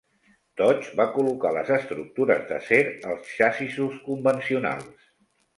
Dodge va col·locar les estructures d'acer als xassissos convencionals.